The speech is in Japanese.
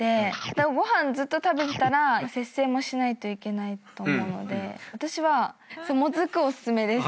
ご飯ずっと食べてたら節制もしないといけないと思うので私はもずくおすすめです。